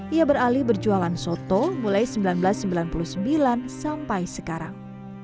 ia beralih berjualan soto mulai seribu sembilan ratus sembilan puluh sembilan sampai sekarang